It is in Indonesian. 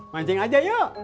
mancing aja yuk